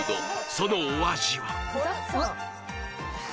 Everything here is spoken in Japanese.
そのお味は？